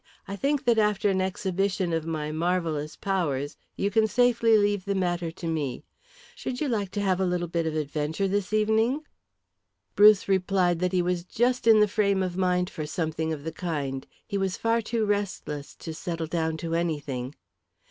"I think that after an exhibition of my marvellous powers, you can safely leave the matter to me. Should you like to have a little bit of an adventure this evening?" Bruce replied that he was just in the frame of mind for something of the kind. He was far too restless to settle down to anything.